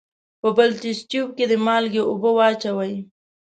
په بل تست تیوب کې د مالګې اوبه واچوئ.